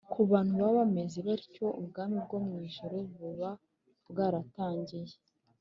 ku bantu baba bameze batyo, ubwami bwo mu ijuru buba bwaratangiye